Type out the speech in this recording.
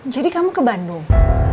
jadi kamu ke bandung